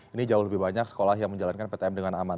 ini jauh lebih banyak sekolah yang menjalankan ptm dengan aman